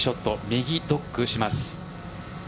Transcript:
右ドッグします。